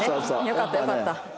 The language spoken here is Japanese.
よかったよかった。